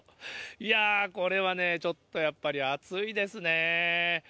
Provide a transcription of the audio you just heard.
いやぁ、これはね、ちょっとやっぱり暑いですね。